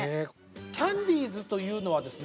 キャンディーズというのはですね